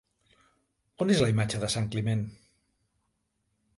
On és la imatge de sant Climent?